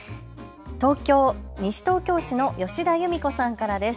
東京西東京市の吉田有美子さんからです。